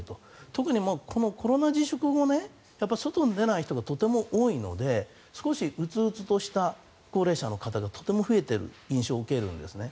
特に、このコロナ自粛後外に出ない人がとても多いので少しうつうつとした高齢者の方がとても増えている印象を受けるんですね。